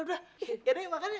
yaudah yuk makan ya